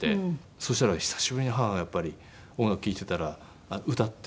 そしたら久しぶりに母がやっぱり音楽を聴いてたら歌って。